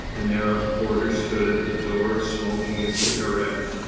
An Arab porter stood at the door, smoking a cigarette.